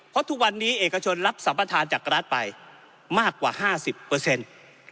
เพราะทุกวันนี้เอกชนรับสัมประธานจากรัฐไปมากกว่าห้าสิบเปอร์เซ็นต์